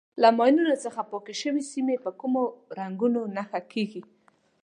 له ماینو څخه پاکې شوې سیمې په کومو رنګونو نښه کېږي.